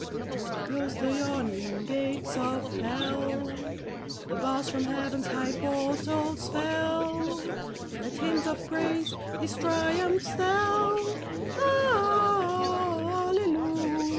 He closed the yawning gates of hell ; The bars from heaven's high portals fell ; Let hymns of praise His triumphs tell : Hallelujah !